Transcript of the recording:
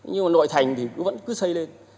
nhưng mà nội thành thì vẫn cứ xây lên